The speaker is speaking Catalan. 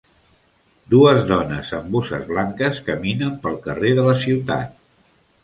Dues dones amb bosses blanques caminen pel carrer de la ciutat.